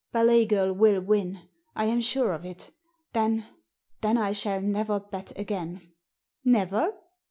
"Ballet Girl will win; I am sure of it Then — then I shall never bet again." "Never?"